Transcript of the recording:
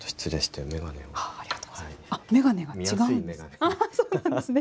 あ、眼鏡が違うんですね。